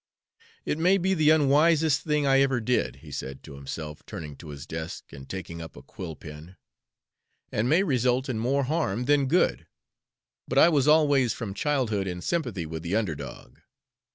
"It may be the unwisest thing I ever did," he said to himself, turning to his desk and taking up a quill pen, "and may result in more harm than good; but I was always from childhood in sympathy with the under dog.